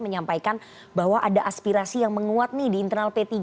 menyampaikan bahwa ada aspirasi yang menguat nih di internal p tiga